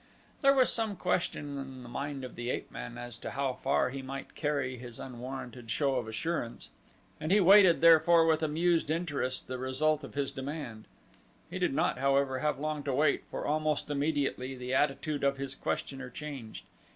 There was some question in the mind of the ape man as to how far he might carry his unwarranted show of assurance, and he waited therefore with amused interest the result of his demand. He did not, however, have long to wait for almost immediately the attitude of his questioner changed.